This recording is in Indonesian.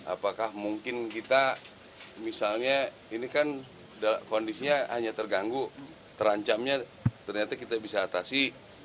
apakah mungkin kita misalnya ini kan kondisinya hanya terganggu terancamnya ternyata kita bisa atasi